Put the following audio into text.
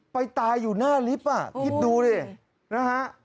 ไปตายอยู่หน้าลิฟต์คิดดูดินะฮะ